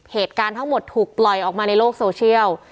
เหตุการณ์ทั้งหมดถูกปล่อยออกมาในโลกโซเชียล